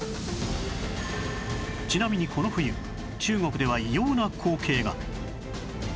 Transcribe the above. ちなみにこの冬中国では異様な光景が！